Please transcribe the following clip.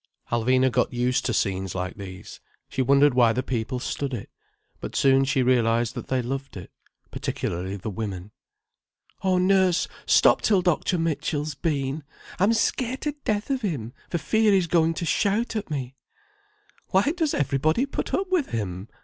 Alvina got used to scenes like these. She wondered why the people stood it. But soon she realized that they loved it—particularly the women. "Oh, nurse, stop till Dr. Mitchell's been. I'm scared to death of him, for fear he's going to shout at me." "Why does everybody put up with him?"